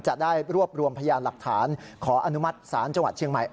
จะได้รวบรวมพยานหลักฐานขออนุมัติศาลจังหวัดเชียงใหม่